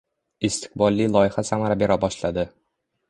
Istiqbolli loyiha samara bera boshladi